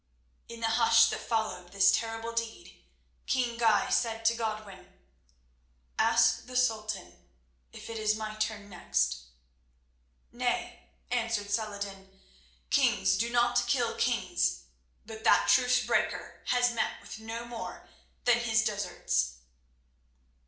In the hush that followed this terrible deed king Guy said to Godwin: "Ask the Sultan if it is my turn next." "Nay," answered Saladin; "kings do not kill kings, but that truce breaker has met with no more than his deserts."